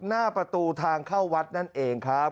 หน้าประตูทางเข้าวัดนั่นเองครับ